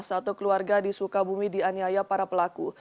satu keluarga di sukabumi di aniaya para pelaku